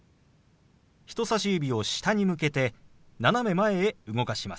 人さし指を下に向けて斜め前へ動かします。